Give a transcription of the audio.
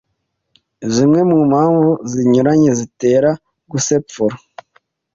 Zimwe mu mpamvu zinyuranye zitera gusepfura